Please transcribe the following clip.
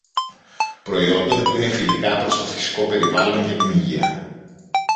προϊόντων που είναι φιλικά προς το φυσικό περιβάλλον και την υγεία